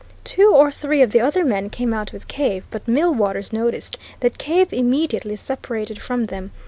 Two or three of the other men came out with Cave, but Millwaters noticed that Cave immediately separated from them.